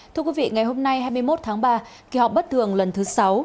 thưa quý vị ngày hôm nay hai mươi một tháng ba kỳ họp bất thường lần thứ sáu